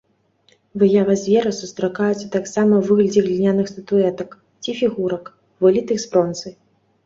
Выява звера сустракаецца таксама ў выглядзе гліняных статуэтак ці фігурак, вылітых з бронзы.